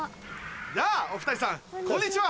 やぁお２人さんこんにちは。